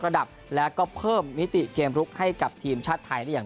ระดับแล้วก็เพิ่มมิติเกมลุกให้กับทีมชาติไทยได้อย่าง